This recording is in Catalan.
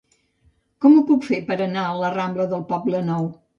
Com ho puc fer per anar a la rambla del Poblenou?